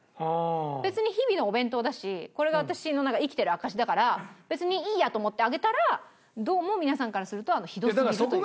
別に日々のお弁当だしこれが私の生きてる証しだから別にいいやと思ってあげたらどうも皆さんからするとひどすぎるという。